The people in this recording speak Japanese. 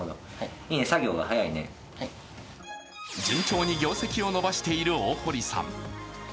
順調に業績を伸ばしている大堀さん。